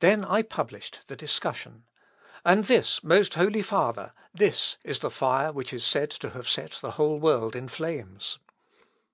Then I published the discussion, "And this, most Holy Father! this is the fire which is said to have set the whole world in flames!